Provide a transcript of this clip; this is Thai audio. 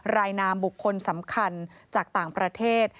นามบุคคลสำคัญจากต่างประเทศ